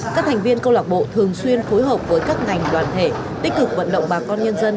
các thành viên câu lạc bộ thường xuyên phối hợp với các ngành đoàn thể tích cực vận động bà con nhân dân